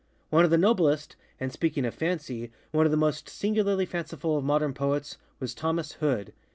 One of the noblestŌĆöand, speaking of FancyŌĆöone of the most singularly fanciful of modern poets, was Thomas Hood.